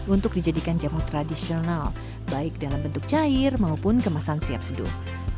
untuk dijadikan jamu tradisional baik dalam bentuk cair maupun kemasan siap seduh